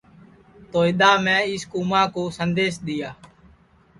تو اِدؔا میں اِس کُوماں کُو سندیس دؔیا